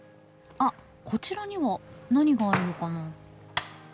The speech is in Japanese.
あっこちらには何があるのかな？